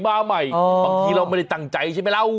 บางทีเราไม่ได้ตั้งใจใช่ไหมเรา